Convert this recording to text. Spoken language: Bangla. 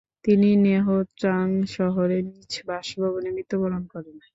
তিনি নেহ ত্রাং শহরে নিজ বাসভবনে মৃত্যুবরণ করেন।